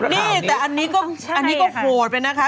นี่แต่อันนี้ก็โหดไปนะคะ